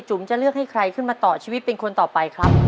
จะเลือกให้ใครขึ้นมาต่อชีวิตเป็นคนต่อไปครับ